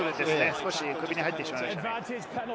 少し首に入ってしまいました。